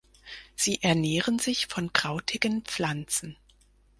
Sie ernähren sich von krautigen Pflanzen.